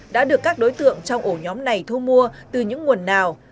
đã được các đối tượng trong ổ nhóm này thu mua từ những nguồn nào